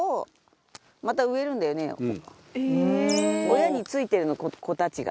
親に付いてるの、子たちが。